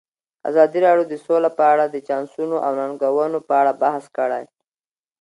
ازادي راډیو د سوله په اړه د چانسونو او ننګونو په اړه بحث کړی.